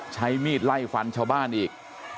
ใช้มีดไล่ฟันชาวบ้านอีก